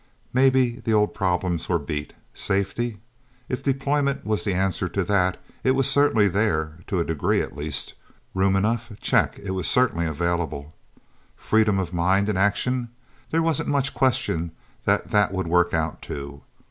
Maybe the old problems were beat. Safety? If deployment was the answer to that, it was certainly there to a degree, at least. Room enough? Check. It was certainly available. Freedom of mind and action? There wasn't much question that that would work out, too.